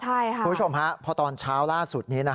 คุณผู้ชมพอตอนเช้าล่าสุดนี้